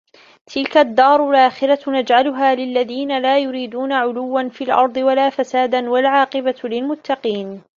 تِلكَ الدّارُ الآخِرَةُ نَجعَلُها لِلَّذينَ لا يُريدونَ عُلُوًّا فِي الأَرضِ وَلا فَسادًا وَالعاقِبَةُ لِلمُتَّقينَ